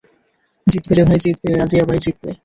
জিতবে রে ভাই জিতবে, রাজিয়া বাই জিতবে!